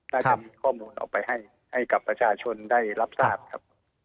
น่าจะมีข้อมูลออกไปให้กับประชาชนได้รับทราบครับ